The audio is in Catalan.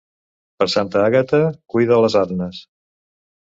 Per Santa Àgata cuida les arnes.